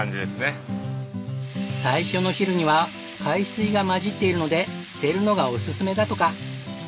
最初の汁には海水が混じっているので捨てるのがおすすめだとか。